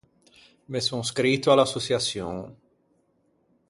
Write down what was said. Me son scrito à l’assoçiaçion.